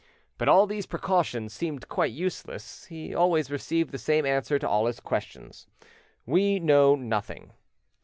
But all these precautions seemed quite useless: he always received the same answer to all his questions, "We know nothing."